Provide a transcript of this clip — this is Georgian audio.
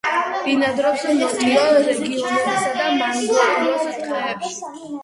ბინადრობს ნოტიო რეგიონებსა და მანგროს ტყეებში.